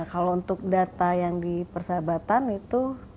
nah kalau untuk data yang di persahabatan itu juga bergantung pada kejadian